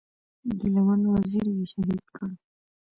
ګيله من وزير یې شهید کړ.